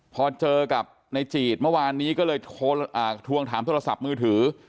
พอเจอกับในจีดเมื่อวานนี้ก็เลยทวงถามโทรศัพท์มือถือ